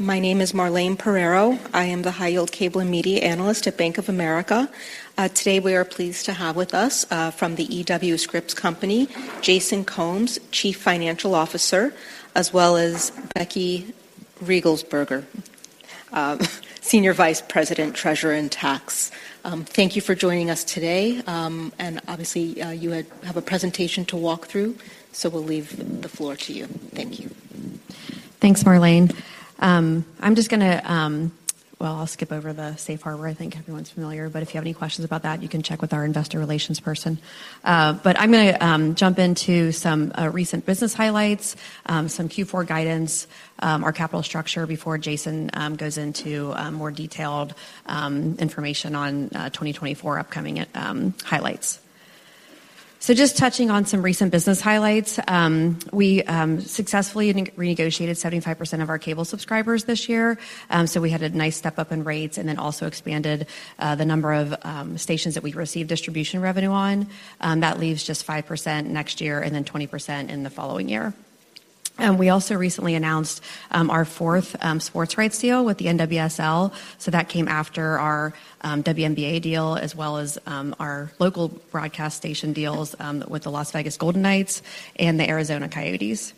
My name is Marilyn Pereira. I am the High Yield Cable and Media Analyst at Bank of America. Today, we are pleased to have with us, from the E.W. Scripps Company, Jason Combs, Chief Financial Officer, as well as Becky Riegelsberger, Senior Vice President, Treasurer, and Tax. Thank you for joining us today. And obviously, you have a presentation to walk through, so we'll leave the floor to you. Thank you. Thanks, Marilyn. I'm just gonna. Well, I'll skip over the safe harbor. I think everyone's familiar, but if you have any questions about that, you can check with our investor relations person. But I'm gonna jump into some recent business highlights, some Q4 guidance, our capital structure before Jason goes into more detailed information on 2024 upcoming highlights. So just touching on some recent business highlights, we successfully renegotiated 75% of our cable subscribers this year. So we had a nice step-up in rates and then also expanded the number of stations that we've received distribution revenue on. That leaves just 5% next year and then 20% in the following year. And we also recently announced our fourth sports rights deal with the NWSL. So that came after our WNBA deal, as well as our local broadcast station deals with the Las Vegas Golden Knights and the Arizona Coyotes.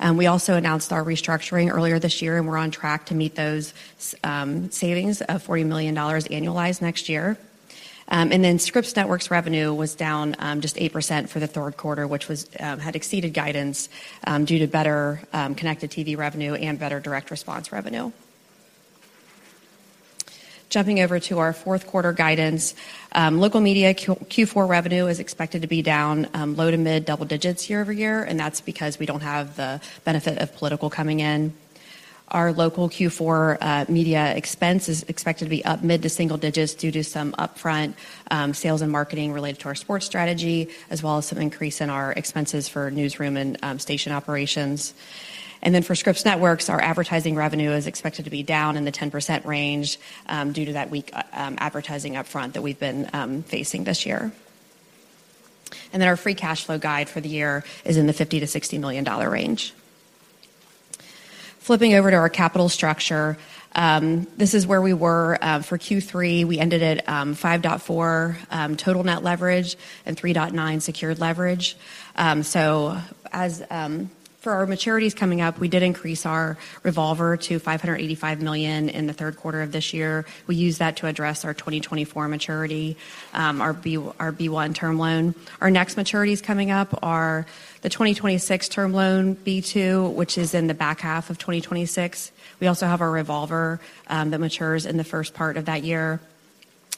And we also announced our restructuring earlier this year, and we're on track to meet those savings of $40 million annualized next year. And then Scripps Networks revenue was down just 8% for the third quarter, which had exceeded guidance due to better connected TV revenue and better direct response revenue. Jumping over to our fourth quarter guidance, local media Q4 revenue is expected to be down low-to-mid double digits year-over-year, and that's because we don't have the benefit of political coming in. Our local Q4 media expense is expected to be up mid- to single digits due to some upfront sales and marketing related to our sports strategy, as well as some increase in our expenses for newsroom and station operations. For Scripps Networks, our advertising revenue is expected to be down in the 10% range due to that weak advertising upfront that we've been facing this year. Our free cash flow guide for the year is in the $50 million -$60 million range. Flipping over to our capital structure, this is where we were for Q3. We ended at 5.4 total net leverage and 3.9 secured leverage. So as for our maturities coming up, we did increase our revolver to $585 million in the third quarter of this year. We used that to address our 2024 maturity, our B-1 term loan. Our next maturities coming up are the 2026 term loan, B-2, which is in the back half of 2026. We also have our revolver that matures in the first part of that year.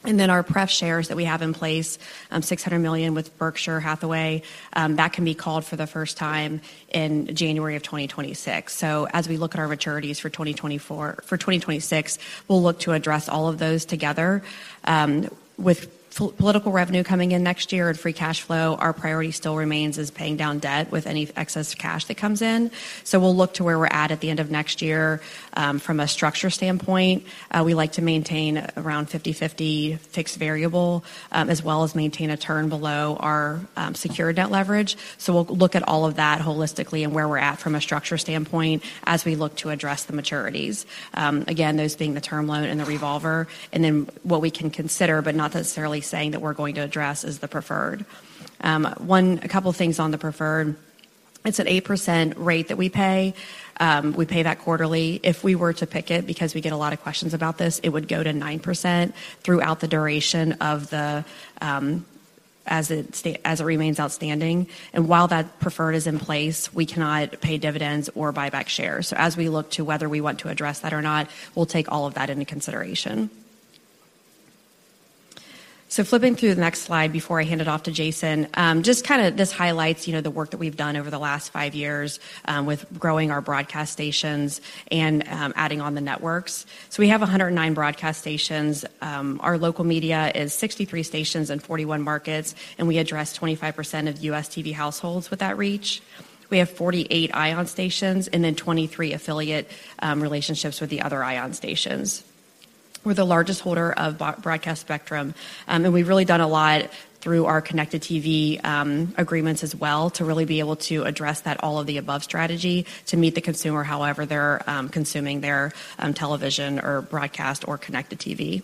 And then our pref shares that we have in place, $600 million with Berkshire Hathaway, that can be called for the first time in January of 2026. So as we look at our maturities for 2024- for 2026, we'll look to address all of those together. With political revenue coming in next year and free cash flow, our priority still remains is paying down debt with any excess cash that comes in. So we'll look to where we're at at the end of next year. From a structure standpoint, we like to maintain around 50/50 fixed variable, as well as maintain a turn below our secure debt leverage. So we'll look at all of that holistically and where we're at from a structure standpoint as we look to address the maturities. Again, those being the term loan and the revolver, and then what we can consider, but not necessarily saying that we're going to address, is the preferred. A couple of things on the preferred. It's an 8% rate that we pay. We pay that quarterly. If we were to PIK it, because we get a lot of questions about this, it would go to 9% throughout the duration of the, as it remains outstanding. And while that preferred is in place, we cannot pay dividends or buy back shares. So as we look to whether we want to address that or not, we'll take all of that into consideration. So flipping through the next slide before I hand it off to Jason, just kinda, this highlights, you know, the work that we've done over the last five years, with growing our broadcast stations and, adding on the networks. So we have 109 broadcast stations. Our local media is 63 stations in 41 markets, and we address 25% of US TV households with that reach. We have 48 ION stations and then 23 affiliate relationships with the other ION stations. We're the largest holder of broadcast spectrum, and we've really done a lot through our connected TV agreements as well, to really be able to address that all-of-the-above strategy to meet the consumer however they're consuming their television or broadcast or connected TV.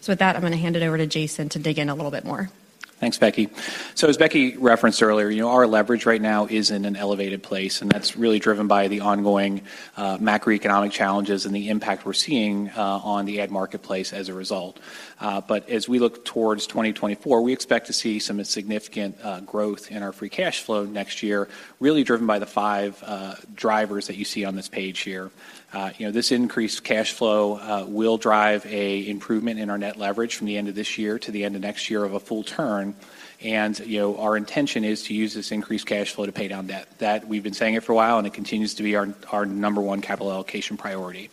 So with that, I'm gonna hand it over to Jason to dig in a little bit more. Thanks, Becky. So as Becky referenced earlier, you know, our leverage right now is in an elevated place, and that's really driven by the ongoing, macroeconomic challenges and the impact we're seeing on the ad marketplace as a result. But as we look towards 2024, we expect to see some significant growth in our free cash flow next year, really driven by the five drivers that you see on this page here. You know, this increased cash flow will drive an improvement in our net leverage from the end of this year to the end of next year of a full turn. And, you know, our intention is to use this increased cash flow to pay down debt. That we've been saying it for a while, and it continues to be our number one capital allocation priority.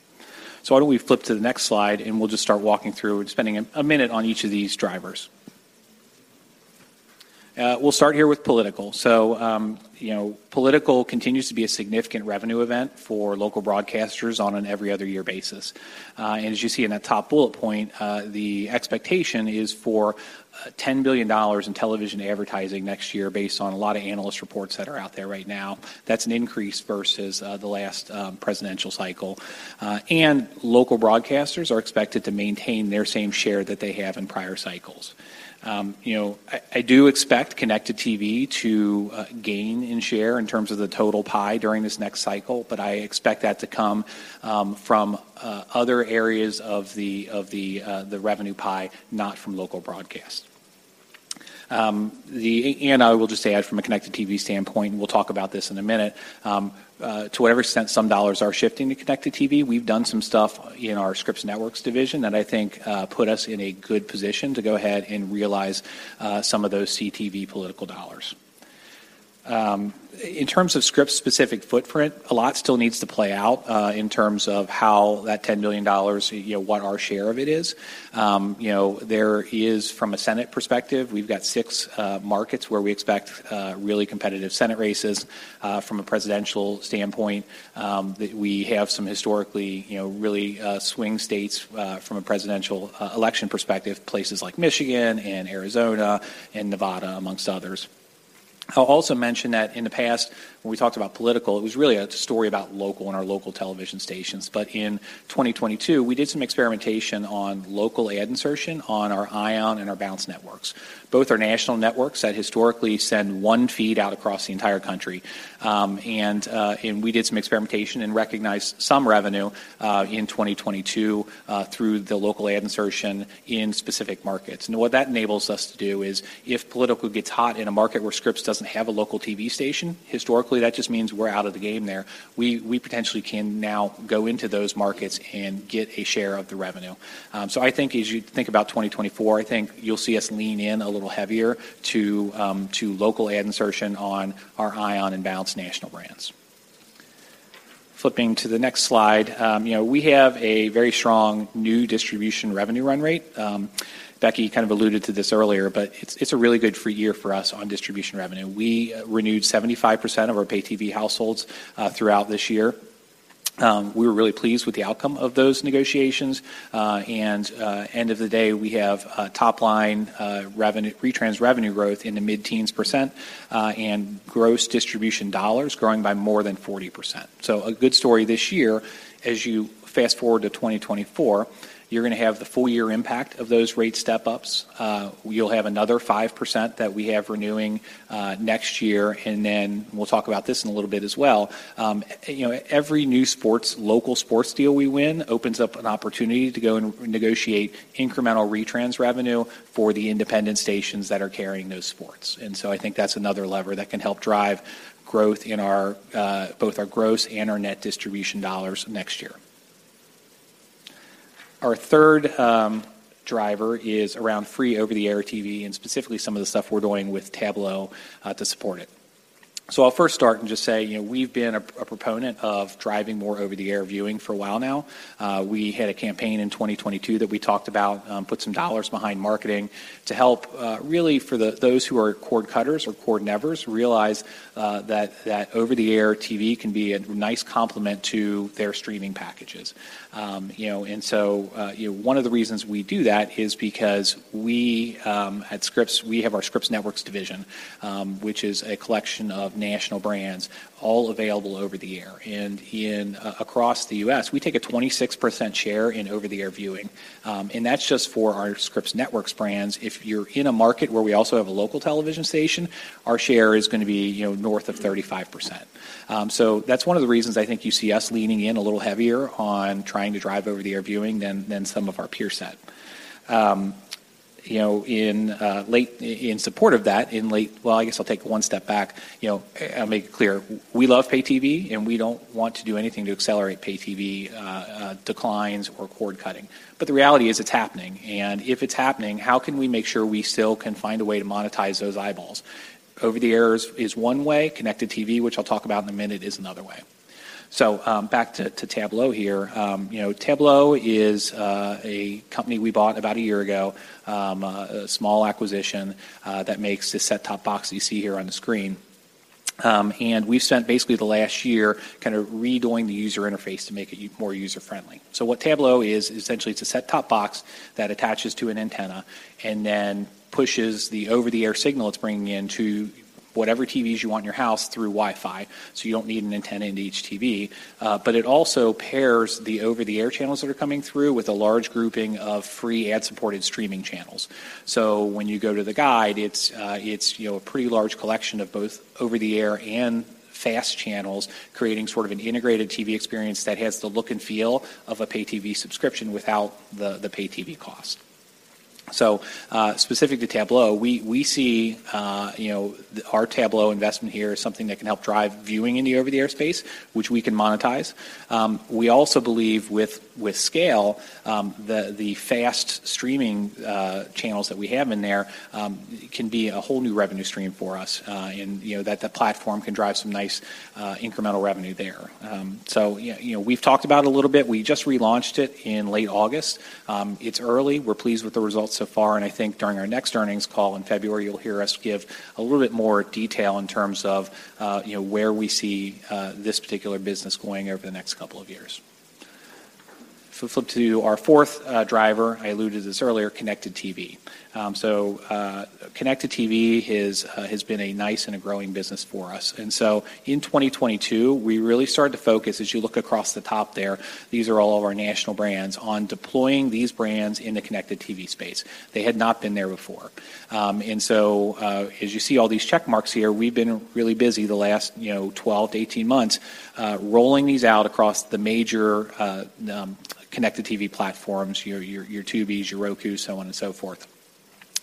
So why don't we flip to the next slide, and we'll just start walking through and spending a minute on each of these drivers? We'll start here with political. So, you know, political continues to be a significant revenue event for local broadcasters on an every other year basis. And as you see in that top bullet point, the expectation is for $10 billion in television advertising next year, based on a lot of analyst reports that are out there right now. That's an increase versus the last presidential cycle. And local broadcasters are expected to maintain their same share that they have in prior cycles. You know, I do expect connected TV to gain in share in terms of the total pie during this next cycle, but I expect that to come from other areas of the revenue pie, not from local broadcast. I will just add from a connected TV standpoint, we'll talk about this in a minute, to whatever extent some dollars are shifting to connected TV, we've done some stuff in our Scripps Networks division that I think put us in a good position to go ahead and realize some of those CTV political dollars. In terms of Scripps' specific footprint, a lot still needs to play out in terms of how that $10 billion, you know, what our share of it is. You know, there is, from a Senate perspective, we've got six markets where we expect really competitive Senate races. From a presidential standpoint, that we have some historically, you know, really swing states, from a presidential election perspective, places like Michigan and Arizona and Nevada, amongst others. I'll also mention that in the past, when we talked about political, it was really a story about local and our local television stations. But in 2022, we did some experimentation on local ad insertion on our ION and our Bounce networks. Both are national networks that historically send one feed out across the entire country. And we did some experimentation and recognized some revenue in 2022 through the local ad insertion in specific markets. And what that enables us to do is, if political gets hot in a market where Scripps doesn't have a local TV station, historically, that just means we're out of the game there. We potentially can now go into those markets and get a share of the revenue. So I think as you think about 2024, I think you'll see us lean in a little heavier to local ad insertion on our ION and Bounce national brands. Flipping to the next slide, you know, we have a very strong new distribution revenue run rate. Becky kind of alluded to this earlier, but it's a really good free year for us on distribution revenue. We renewed 75% of our pay TV households throughout this year. We were really pleased with the outcome of those negotiations. End of the day, we have a top line revenue, retrans revenue growth in the mid-teens%, and gross distribution dollars growing by more than 40%. So a good story this year. As you FAST-forward to 2024, you're gonna have the full year impact of those rate step-ups. You'll have another 5% that we have renewing next year, and then we'll talk about this in a little bit as well. You know, every new sports, local sports deal we win opens up an opportunity to go and negotiate incremental retrans revenue for the independent stations that are carrying those sports. And so I think that's another lever that can help drive growth in our both our gross and our net distribution dollars next year. Our third driver is around free over-the-air TV, and specifically, some of the stuff we're doing with Tablo to support it. So I'll first start and just say, you know, we've been a proponent of driving more over-the-air viewing for a while now. We had a campaign in 2022 that we talked about, put some dollars behind marketing to help, really, for those who are cord cutters or cord nevers, realize that over-the-air TV can be a nice complement to their streaming packages. You know, and so, you know, one of the reasons we do that is because we at Scripps, we have our Scripps Networks division, which is a collection of national brands all available over-the-air. And across the U.S., we take a 26% share in over-the-air viewing. And that's just for our Scripps Networks brands. If you're in a market where we also have a local television station, our share is gonna be, you know, north of 35%. So that's one of the reasons I think you see us leaning in a little heavier on trying to drive over-the-air viewing than some of our peer set. You know, in support of that. Well, I guess I'll take it one step back. You know, I'll make it clear, we love pay TV, and we don't want to do anything to accelerate pay TV declines or cord cutting. But the reality is, it's happening. And if it's happening, how can we make sure we still can find a way to monetize those eyeballs? Over-the-air is one way. Connected TV, which I'll talk about in a minute, is another way. So, back to Tablo here. You know, Tablo is a company we bought about a year ago, a small acquisition that makes this set-top box you see here on the screen. And we've spent basically the last year kind of redoing the user interface to make it more user-friendly. So what Tablo is, essentially, it's a set-top box that attaches to an antenna and then pushes the over-the-air signal it's bringing in to whatever TVs you want in your house through Wi-Fi, so you don't need an antenna into each TV. But it also pairs the over-the-air channels that are coming through with a large grouping of free ad-supported streaming channels. So when you go to the guide, it's, it's, you know, a pretty large collection of both over-the-air and fast channels, creating sort of an integrated TV experience that has the look and feel of a pay TV subscription without the, the pay TV cost. So, specific to Tablo, we see, you know, our Tablo investment here is something that can help drive viewing in the over-the-air space, which we can monetize. We also believe with scale, the fast streaming channels that we have in there can be a whole new revenue stream for us, and, you know, that the platform can drive some nice, incremental revenue there. So, you know, we've talked about it a little bit. We just relaunched it in late August. It's early. We're pleased with the results so far, and I think during our next earnings call in February, you'll hear us give a little bit more detail in terms of, you know, where we see this particular business going over the next couple of years. Flip, flip to our fourth driver. I alluded to this earlier, connected TV. So, connected TV has been a nice and a growing business for us. And so in 2022, we really started to focus, as you look across the top there, these are all of our national brands, on deploying these brands in the connected TV space. They had not been there before. And so, as you see all these check marks here, we've been really busy the last, you know, 12-18 months, rolling these out across the major, connected TV platforms, your Tubis, your Roku, so on and so forth.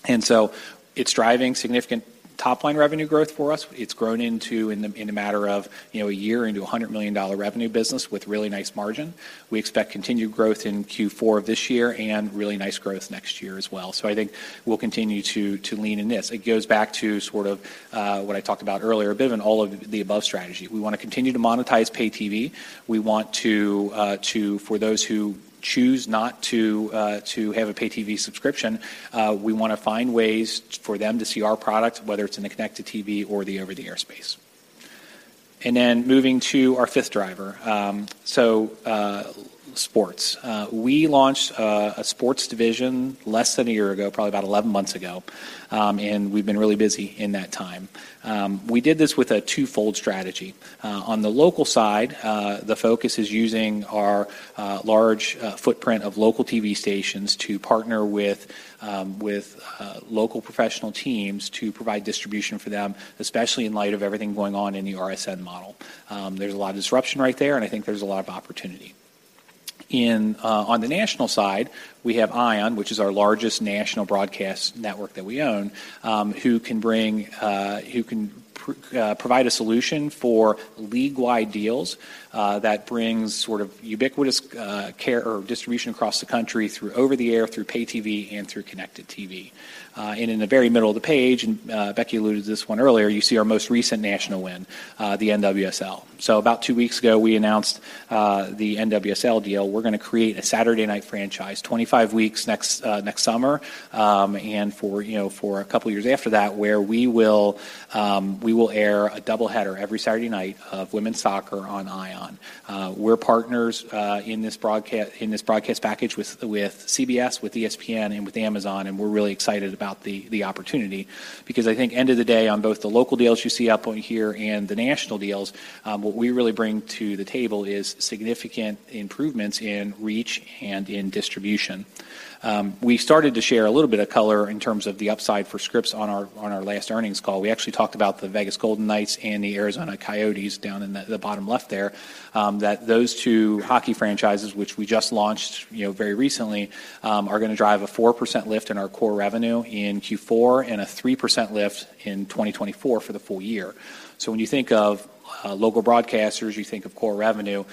And so it's driving significant top-line revenue growth for us. It's grown into, in a matter of, you know, a year, into a $100 million revenue business with really nice margin. We expect continued growth in Q4 of this year and really nice growth next year as well. So I think we'll continue to lean in this. It goes back to sort of, what I talked about earlier, a bit of an all-of-the-above strategy. We want to continue to monetize pay TV. We want to for those who choose not to have a pay TV subscription, we want to find ways for them to see our product, whether it's in the Connected TV or the over-the-air space. And then moving to our fifth driver, so, sports. We launched a sports division less than a year ago, probably about 11 months ago, and we've been really busy in that time. We did this with a twofold strategy. On the local side, the focus is using our large footprint of local TV stations to partner with local professional teams to provide distribution for them, especially in light of everything going on in the RSN model. There's a lot of disruption right there, and I think there's a lot of opportunity. In, on the national side, we have ION, which is our largest national broadcast network that we own, who can provide a solution for league-wide deals, that brings sort of ubiquitous, care or distribution across the country, through over-the-air, through pay TV, and through connected TV. And in the very middle of the page, Becky alluded to this one earlier, you see our most recent national win, the NWSL. So about two weeks ago, we announced, the NWSL deal. We're gonna create a Saturday night franchise, 25 weeks next summer, and for, you know, for a couple of years after that, where we will, we will air a double header every Saturday night of women's soccer on ION. We're partners in this broadcast package with CBS, with ESPN, and with Amazon, and we're really excited about the opportunity. Because I think end of the day, on both the local deals you see up on here and the national deals, what we really bring to the table is significant improvements in reach and in distribution. We started to share a little bit of color in terms of the upside for Scripps on our last earnings call. We actually talked about the Vegas Golden Knights and the Arizona Coyotes down in the bottom left there, that those two hockey franchises, which we just launched, you know, very recently, are gonna drive a 4% lift in our core revenue in Q4 and a 3% lift in 2024 for the full year. So when you think of local broadcasters, you think of core revenue.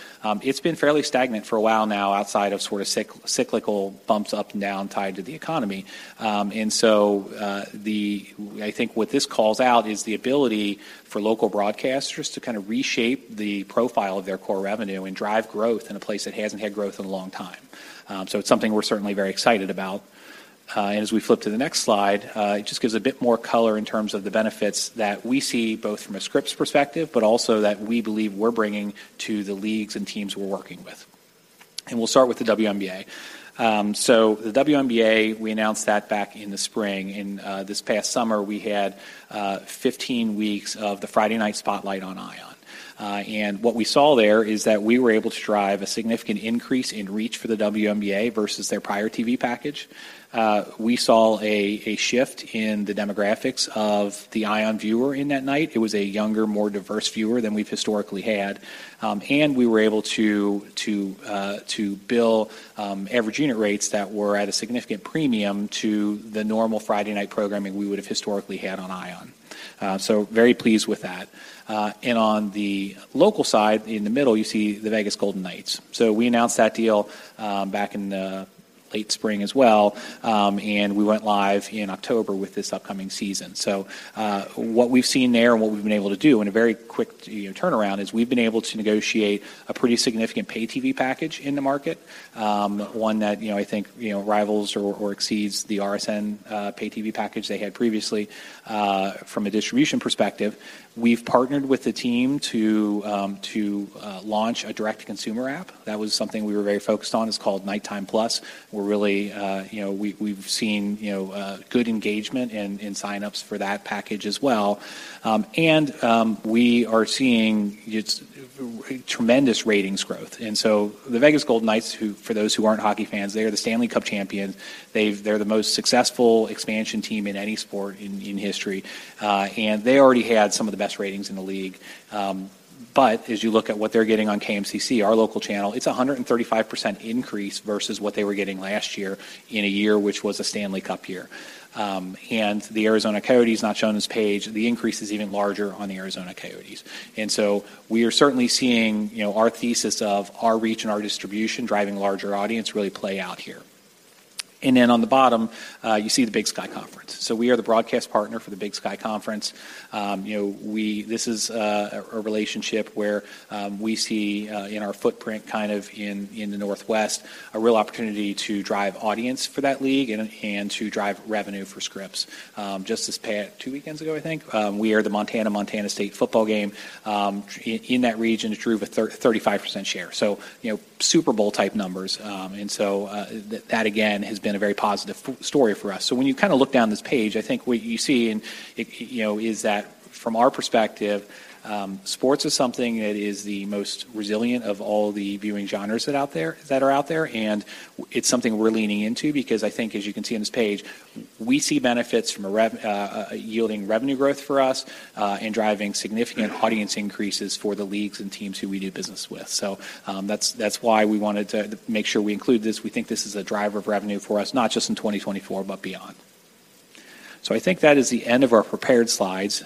It's been fairly stagnant for a while now, outside of sorta cyclical bumps up and down, tied to the economy. And so, I think what this calls out is the ability for local broadcasters to kinda reshape the profile of their core revenue and drive growth in a place that hasn't had growth in a long time. So it's something we're certainly very excited about. And as we flip to the next slide, it just gives a bit more color in terms of the benefits that we see, both from a Scripps perspective, but also that we believe we're bringing to the leagues and teams we're working with. And we'll start with the WNBA. So the WNBA, we announced that back in the spring, and this past summer, we had 15 weeks of the Friday night spotlight on ION. And what we saw there is that we were able to drive a significant increase in reach for the WNBA versus their prior TV package. We saw a shift in the demographics of the ION viewer in that night. It was a younger, more diverse viewer than we've historically had. And we were able to bill average unit rates that were at a significant premium to the normal Friday night programming we would have historically had on ION. So very pleased with that. And on the local side, in the middle, you see the Vegas Golden Knights. So we announced that deal, back in the late spring as well, and we went live in October with this upcoming season. So, what we've seen there and what we've been able to do in a very quick, you know, turnaround, is we've been able to negotiate a pretty significant pay TV package in the market, one that, you know, I think, you know, rivals or exceeds the RSN pay TV package they had previously. From a distribution perspective, we've partnered with the team to launch a direct-to-consumer app. That was something we were very focused on. It's called KnightTime+. We're really, you know, we've seen, you know, good engagement and signups for that package as well. And we are seeing it's tremendous ratings growth. And so the Vegas Golden Knights, who, for those who aren't hockey fans, they are the Stanley Cup champions. They're the most successful expansion team in any sport in history, and they already had some of the best ratings in the league. But as you look at what they're getting on KMCC, our local channel, it's a 135% increase versus what they were getting last year, in a year which was a Stanley Cup year. And the Arizona Coyotes, not shown on this page, the increase is even larger on the Arizona Coyotes. And so we are certainly seeing, you know, our thesis of our reach and our distribution, driving larger audience, really play out here. And then on the bottom, you see the Big Sky Conference. So we are the broadcast partner for the Big Sky Conference. You know, this is a relationship where we see in our footprint, kind of in the Northwest, a real opportunity to drive audience for that league and to drive revenue for Scripps. Just this past two weekends ago, I think, we aired the Montana-Montana State football game. In that region, it drew a 35% share. So, you know, Super Bowl-type numbers. And so, that again has been a very positive story for us. So when you kinda look down this page, I think what you see and, it, you know, is that from our perspective, sports is something that is the most resilient of all the viewing genres that are out there. It's something we're leaning into, because I think, as you can see on this page, we see benefits from a yielding revenue growth for us, and driving significant audience increases for the leagues and teams who we do business with. That's, that's why we wanted to make sure we include this. We think this is a driver of revenue for us, not just in 2024, but beyond. I think that is the end of our prepared slides.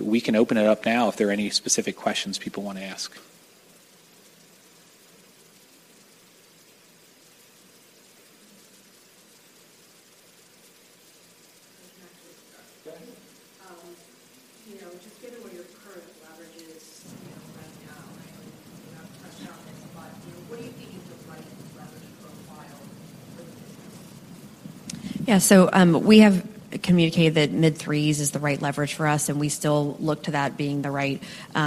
We can open it up now, if there are any specific questions people want to ask. Go ahead. You know, just given where your current leverage is, you know, right now, I know you have pressure on this a lot. Do you think Yeah. So, we have communicated that mid-threes is the right leverage for us, and we still look to that being the right,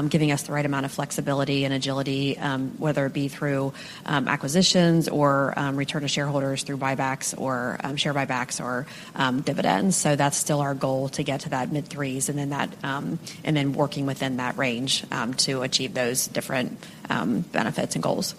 giving us the right amount of flexibility and agility, whether it be through, acquisitions or, return to shareholders through buybacks or, share buybacks or, dividends. So that's still our goal, to get to that mid-threes, and then that. And then working within that range, to achieve those different, benefits and goals.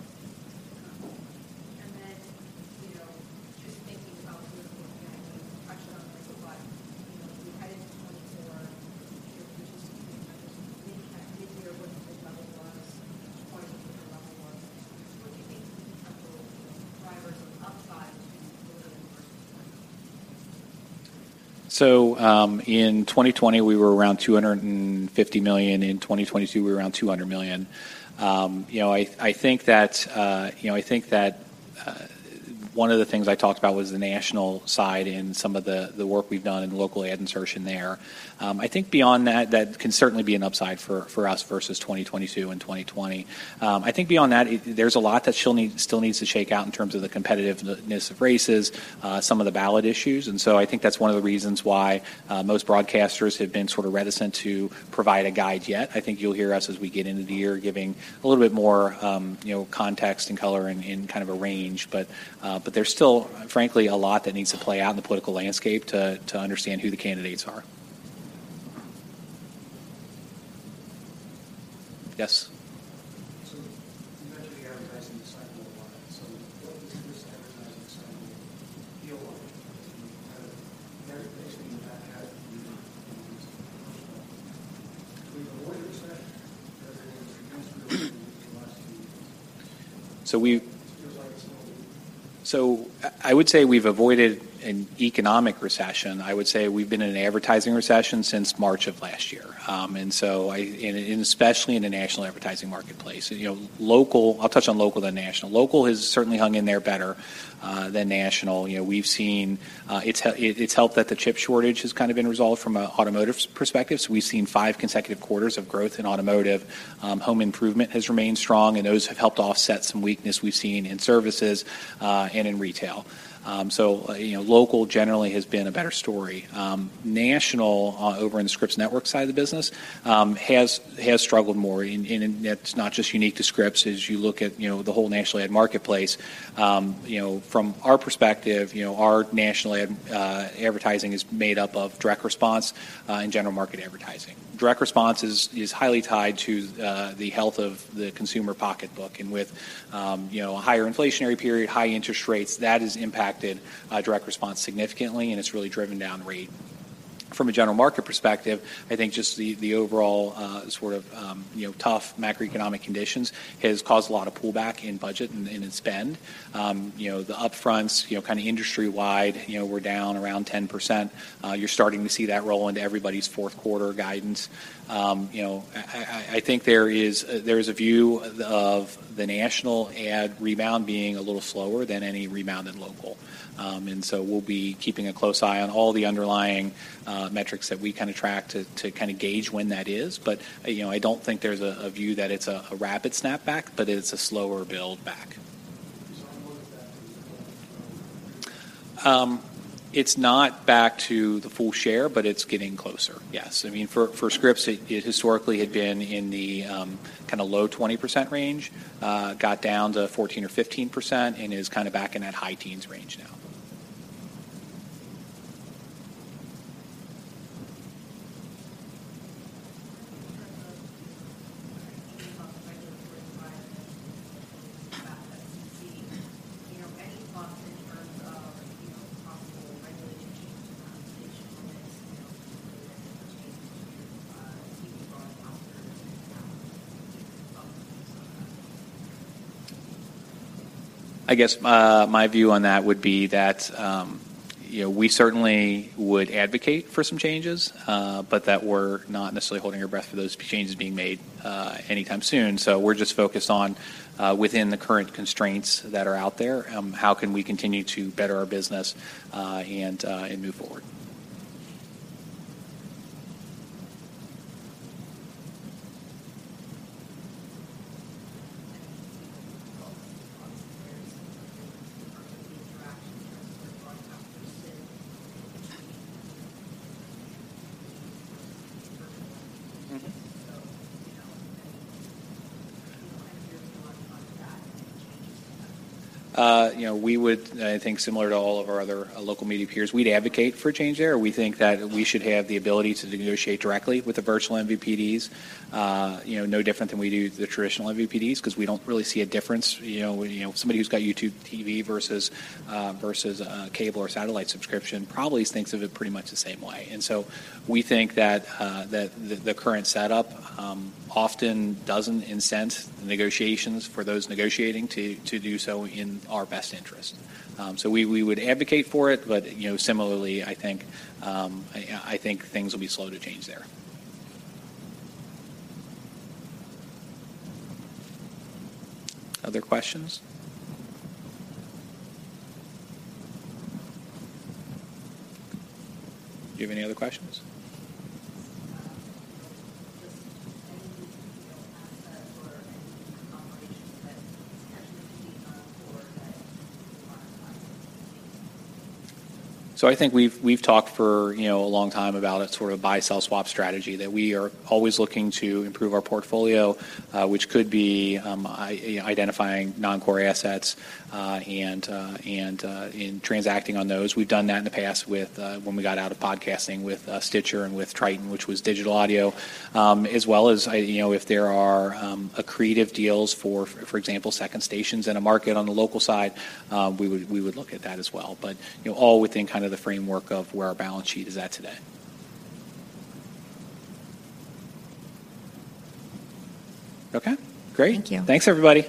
just thinking about the pressure on the supply, you know, as we head into 2024, your business, what do you think will be several drivers of upside? So, in 2020, we were around $250 million. In 2022, we were around $200 million. You know, I think that, you know, I think that, one of the things I talked about was the national side and some of the, the work we've done in local ad insertion there. I think beyond that, that can certainly be an upside for, for us versus 2022 and 2020. I think beyond that, it, there's a lot that still needs to shake out in terms of the competitiveness of races, some of the ballot issues. And so I think that's one of the reasons why, most broadcasters have been sort of reticent to provide a guide yet. I think you'll hear us as we get into the year, giving a little bit more, you know, context and color and kind of a range. But there's still, frankly, a lot that needs to play out in the political landscape to understand who the candidates are. Yes. So you mentioned the advertising cycle a lot. So what does this advertising cycle feel like to you? Kind of, everything you've had in the past few years. So we've avoided a recession, or is it against the last two years? So we. Feels like a small one. So I would say we've avoided an economic recession. I would say we've been in an advertising recession since March of last year. And so I and especially in the national advertising marketplace. You know, local. I'll touch on local, then national. Local has certainly hung in there better than national. You know, we've seen it's helped that the chip shortage has kind of been resolved from an automotive perspective. So we've seen five consecutive quarters of growth in automotive. Home improvement has remained strong, and those have helped offset some weakness we've seen in services and in retail. So, you know, local generally has been a better story. National over in the Scripps Network side of the business has struggled more. And that's not just unique to Scripps. As you look at, you know, the whole national ad marketplace, you know, from our perspective, you know, our national ad advertising is made up of direct response and general market advertising. Direct response is highly tied to the health of the consumer pocketbook. And with, you know, a higher inflationary period, high interest rates, that has impacted direct response significantly, and it's really driven down rate. From a general market perspective, I think just the overall sort of, you know, tough macroeconomic conditions has caused a lot of pullback in budget and in spend. You know, the upfronts, you know, kind of industry-wide, you know, we're down around 10%. You're starting to see that roll into everybody's fourth quarter guidance. You know, I think there is a view of the national ad rebound being a little slower than any rebound in local. And so we'll be keeping a close eye on all the underlying metrics that we kind of track to kind of gauge when that is. But, you know, I don't think there's a view that it's a rapid snapback, but it's a slower build back. What is that? It's not back to the full share, but it's getting closer. Yes. I mean, for Scripps, it historically had been in the kind of low 20% range, got down to 14% or 15%, and is kind of back in that high teens range now. You know, any thoughts in terms of, you know, possible regulation changes around station TV broadcasters, different thoughts on that? I guess, my view on that would be that, you know, we certainly would advocate for some changes, but that we're not necessarily holding our breath for those changes being made, anytime soon. So we're just focused on, within the current constraints that are out there, how can we continue to better our business, and move forward? You know, we would, I think similar to all of our other, local media peers, we'd advocate for a change there. We think that we should have the ability to negotiate directly with the virtual MVPDs, you know, no different than we do the traditional MVPDs, 'cause we don't really see a difference, you know, you know, somebody who's got YouTube TV versus, cable or satellite subscription, probably thinks of it pretty much the same way. And so we think that the current setup often doesn't incent negotiations for those negotiating to do so in our best interest. So we would advocate for it, but, you know, similarly, I think things will be slow to change there. Other questions? Do you have any other questions? So I think we've talked for, you know, a long time about a sort of buy, sell, swap strategy, that we are always looking to improve our portfolio, which could be identifying non-core assets and in transacting on those. We've done that in the past with when we got out of podcasting with Stitcher and with Triton, which was digital audio. As well as, I. You know, if there are, accretive deals for, for example, second stations in a market on the local side, we would look at that as well. But, you know, all within kind of the framework of where our balance sheet is at today. Okay, great. Thank you. Thanks, everybody.